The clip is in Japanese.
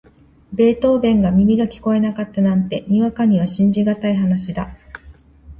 ベートーヴェンが耳が聞こえなかったなんて、にわかには信じがたい話だ。